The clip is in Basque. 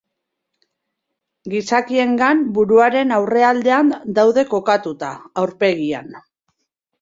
Gizakiengan, buruaren aurrealdean daude kokatuta, aurpegian.